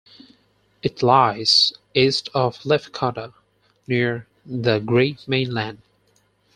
It lies east of Lefkada, near the Greek mainland.